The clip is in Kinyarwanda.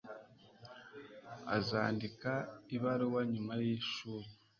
Azandika ibaruwa nyuma yishuri.